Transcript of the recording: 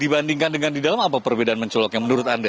dibandingkan dengan di dalam apa perbedaan mencoloknya menurut anda